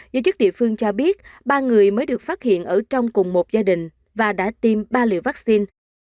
giới chức địa phương cho biết ba người mới được phát hiện ở trong cùng một gia đình và đã tiêm ba liều vaccine